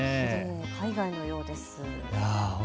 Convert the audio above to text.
海外のようです。